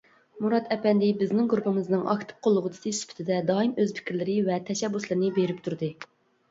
مۇرات ئەپەندى بىزنىڭ گۇرۇپپىمىزنىڭ ئاكتىپ قوللىغۇچىسى سۈپىتىدە دائىم ئۆز پىكىرلىرى ۋە تەشەببۇسلىرىنى بېرىپ تۇردى.